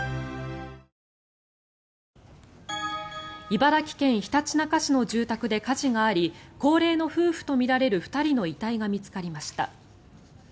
茨城県ひたちなか市の住宅で火事があり高齢の夫婦とみられる２人の遺体が見つかりました。